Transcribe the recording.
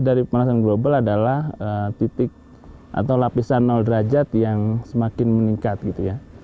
dari penasaran global adalah titik atau lapisan nol derajat yang semakin meningkat